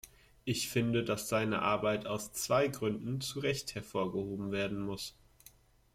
Ich finde, dass seine Arbeit aus zwei Gründen zu Recht hervorgehoben werden muss.